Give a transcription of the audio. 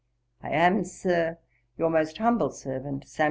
I am, Sir, 'Your most humble servant, 'SAM.